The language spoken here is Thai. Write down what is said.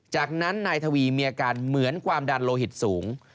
จากนั้นนายทวีมีอาการเหมือนความดันโลหิตสูง